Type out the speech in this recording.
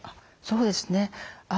そうですね。